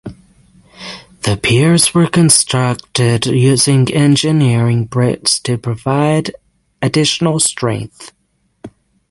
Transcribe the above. The piers were constructed using engineering bricks to provide additional strength.